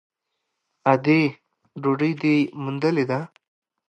_ادې ! ډوډۍ دې موندلې ده؟